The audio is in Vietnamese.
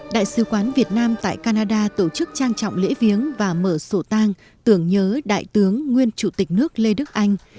đại sứ quán việt nam tại canada tổ chức trang trọng lễ viếng và mở sổ tang tưởng nhớ đại tướng nguyên chủ tịch nước lê đức anh